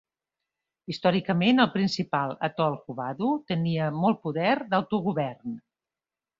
Històricament, el principal atol Huvadu tenia molt poder d'autogovern.